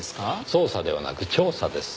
捜査ではなく調査です。